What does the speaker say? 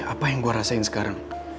apa yang gue rasain sekarang